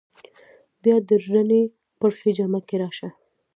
بیا د رڼې پرخې جامه کې راشه